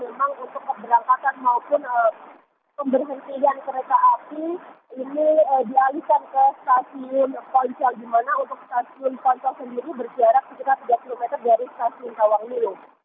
di mana untuk stasiun poncol sendiri bersiarak sekitar tiga puluh meter dari stasiun tawang ini